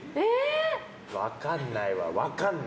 分かんないわ。